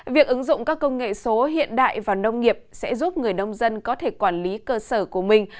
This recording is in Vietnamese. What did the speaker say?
việc ứng dụng các công nghệ số hiện đại vào nông nghiệp sẽ giúp người nông dân có thể quản lý cơ sở của mình